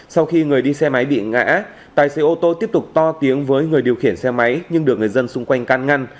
sau khi người đi xe máy bị ngã tài xế ô tô tiếp tục to tiếng với người điều khiển xe máy nhưng được người dân xung quanh can ngăn